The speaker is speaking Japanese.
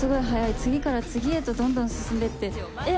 次から次へとどんどん進んでってえっ